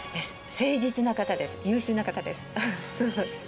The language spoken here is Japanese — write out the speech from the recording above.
誠実な方です、優秀な方です。